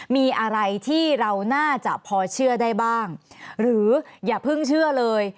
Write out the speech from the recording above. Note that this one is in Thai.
มีอะไรที่เราน่าจะพอเชื่อได้บ้างหรืออย่าเพิ่งเชื่อเลย